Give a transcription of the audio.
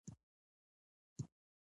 د بارهنګ تخم د معدې د سوزش لپاره وکاروئ